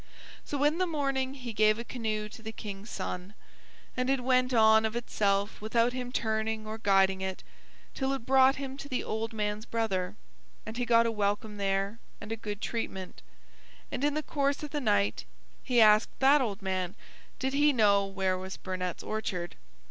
So in the morning he gave a canoe to the King's son, and it went on of itself without him turning or guiding it, till it brought him to the old man's brother, and he got a welcome there and good treatment, and in the course of the night he asked that old man did he know where was Burnett's orchard.